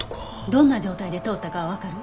どんな状態で通ったかはわかる？